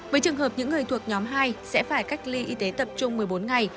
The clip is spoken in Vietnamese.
với trường hợp những người thuộc nhóm hai sẽ phải cách ly y tế tập trung một mươi bốn ngày